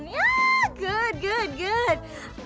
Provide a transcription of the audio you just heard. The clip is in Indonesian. ya bagus bagus bagus